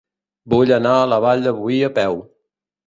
Vull anar a la Vall de Boí a peu.